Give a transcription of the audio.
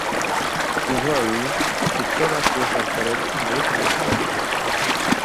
উভয়ই যুক্তরাষ্ট্রীয় সরকারের মালিকানাধীন।